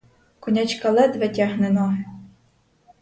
Конячка ледве тягне ноги.